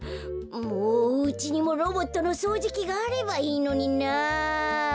もううちにもロボットのそうじきがあればいいのにな。